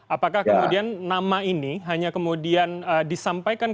apakah kemudian nama ini hanya kemudian disampaikan